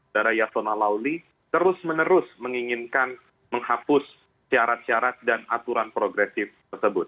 darah yasona lawli terus menerus menginginkan menghapus syarat syarat dan aturan progresif tersebut